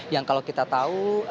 yang kalau kita tahu